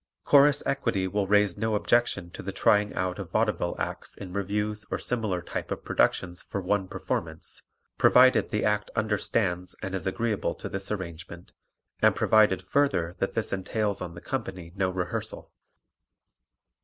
Chorus Equity will raise no objection to the trying out of vaudeville acts in revues or similar type of productions for one performance, provided the act understands and is agreeable to this arrangement and provided, further, that this entails on the company no rehearsal.